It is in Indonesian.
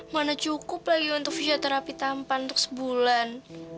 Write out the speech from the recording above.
mana cukup lagi untuk fisioterapi tampan untuk sebulan